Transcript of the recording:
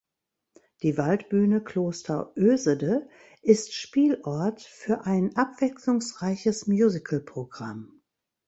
Die Waldbühne Kloster Oesede ist Spielort für ein abwechslungsreiches Musical-Programm.